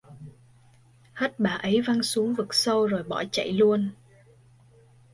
Hất bà ấy văng xuống vực sâu rồi bỏ chạy luôn